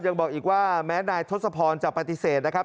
ยังบอกอีกว่าแม้นายทศพรจะปฏิเสธนะครับ